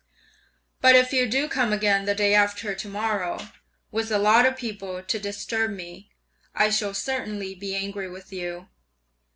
But if you do come again the day after to morrow, with a lot of people to disturb me, I shall certainly be angry with you.'